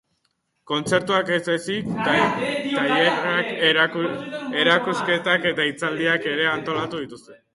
Kontzertuak ez ezik, tailerrak, erakusketak eta hitzaldiak ere antolatu dituzte.